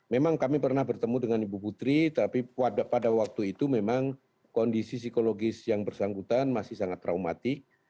memang kami pernah bertemu dengan ibu putri tapi pada waktu itu memang kondisi psikologis yang bersangkutan masih sangat traumatik